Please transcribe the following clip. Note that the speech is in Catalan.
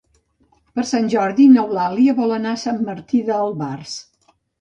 Per Sant Jordi n'Eulàlia vol anar a Sant Martí d'Albars.